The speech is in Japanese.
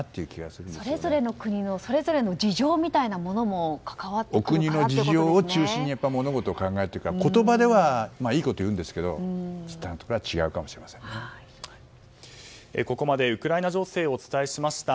それぞれの国のそれぞれの事情みたいなものもお国の事情を中心に物事を考えるというか言葉ではいいことを言うんですけど本当のところはここまでウクライナ情勢をお伝えしました。